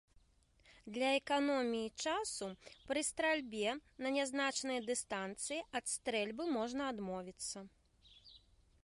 Для эканоміі часу, пры стральбе на нязначныя дыстанцыі, ад стрэльбы можна адмовіцца.